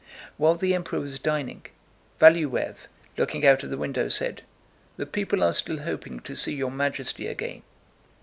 While the Emperor was dining, Valúev, looking out of the window, said: "The people are still hoping to see Your Majesty again."